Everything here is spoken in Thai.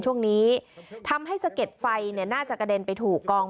ช่วงนี้ทำให้สะเก็ดไฟเนี่ยน่าจะกระเด็นไปถูกกอง